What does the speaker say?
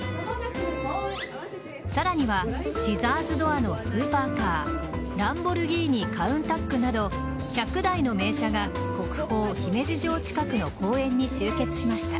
さらにはシザーズドアのスーパーカーランボルギーニ・カウンタックなど１００台の名車が国宝・姫路城近くの公園に集結しました。